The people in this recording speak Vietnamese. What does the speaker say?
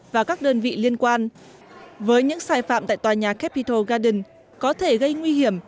và các đơn vị liên quan với những sai phạm tại tòa nhà capitol garden có thể gây nguy hiểm